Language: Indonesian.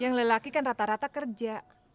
yang lelaki kan rata rata kerja